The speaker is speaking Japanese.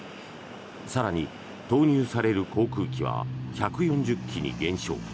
更に、投入される航空機は１４０機に減少。